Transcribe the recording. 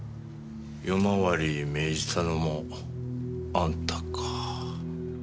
夜回りを命じたのもあんたか。